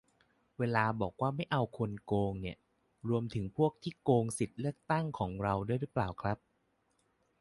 เวลาบอกว่า "ไม่เอาคนโกง" เนี่ย รวมถึงพวกที่โกงสิทธิเลือกตั้งของเราด้วยรึเปล่าครับ ?